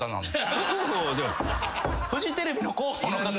フジテレビの広報の方。